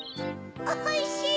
おいしい！